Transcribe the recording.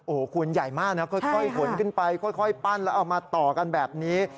โอ้โหคุณใหญ่มากนะค่อยขนขึ้นไปค่อยปั้นแล้วเอามาต่อกันแบบนี้